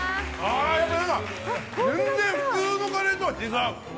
全然、普通のカレーとは違う。